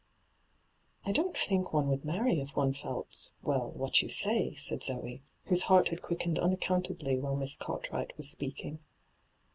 ' I don't think one would marry if one felt — well, what you say,' said Zoe, whose heart had quickened unaccountably while Miss Cartwright was speaking.